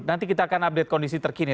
nanti kita akan update kondisi terkini